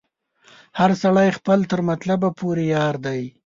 هر سړی خپل تر مطلبه پوري یار دی